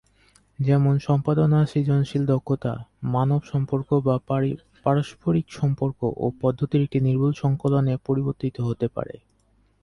যেমন- সম্পাদনা সৃজনশীল দক্ষতা, মানব সম্পর্ক/পারস্পরিক সম্পর্ক ও পদ্ধতির একটি নির্ভুল সংকলনে পরিবর্তিত হতে পারে।